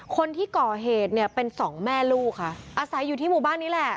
คนที่ก่อเหตุเนี่ยเป็นสองแม่ลูกค่ะอาศัยอยู่ที่หมู่บ้านนี้แหละ